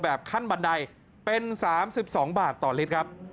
ขั้นบันไดเป็น๓๒บาทต่อลิตรครับ